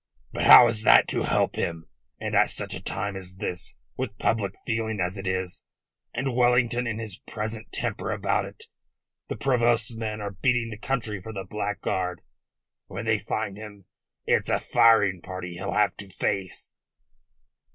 "But how is that to help him, and at such a time as this, with public feeling as it is, and Wellington in his present temper about it? The provost's men are beating the country for the blackguard. When they find him it's a firing party he'll have to face."